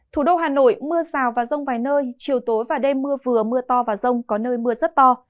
thủ đô hà nội mưa rào và rông vài nơi chiều tối và đêm mưa vừa mưa to và rông có nơi mưa rất to